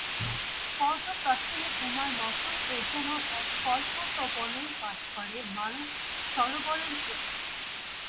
পর্বতবাসিনী উমার মতোই ও যেন এক কল্প-তপোবনে বাস করে, মানস-সরোবরের কূলে।